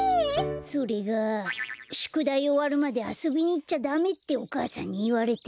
それがしゅくだいおわるまであそびにいっちゃダメってお母さんにいわれてて。